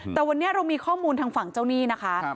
แต่วันนี้เรามีข้อมูลทางฝั่งเจ้าหนี้นะคะ